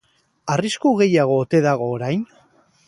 Arrisku gehiago ote dago orain?